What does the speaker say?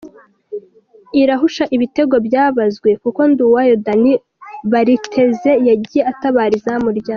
irahusha ibitego byabazwe kuko Nduwayo Danny Bariteze yagiye atabara izamu rya